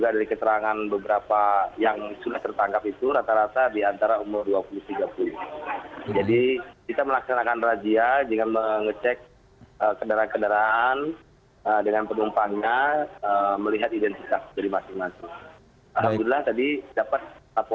dan masuk juga dari keterangan beberapa yang sudah tertangkap itu